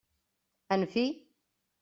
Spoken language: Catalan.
En fi!